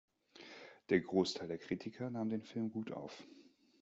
Der Großteil der Kritiker nahm den Film gut auf.